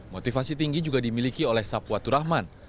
motivasi tinggi juga dimiliki oleh sapuatur rahman